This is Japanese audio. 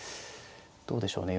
どうでしょうね。